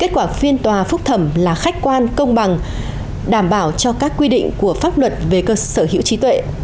kết quả phiên tòa phúc thẩm là khách quan công bằng đảm bảo cho các quy định của pháp luật về cơ sở hữu trí tuệ